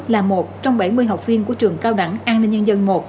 là một trong bảy mươi học viên của trường cao đẳng an ninh nhân dân một